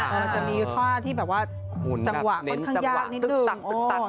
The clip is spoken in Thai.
มันจะมีท่าที่แบบว่าจังหวะค่อนข้างยากนิดตึ๊กตัก